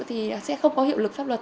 thì sẽ không có hiệu lực pháp luật